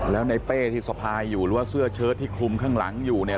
แล้วในเป้ที่สะพายอยู่หรือว่าเสื้อเชิดที่คลุมข้างหลังอยู่เนี่ย